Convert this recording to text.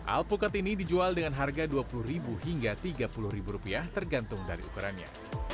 alpukat ini dijual dengan harga rp dua puluh hingga rp tiga puluh rupiah tergantung dari ukurannya